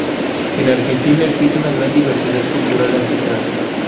En Argentina existe una gran diversidad cultural ancestral.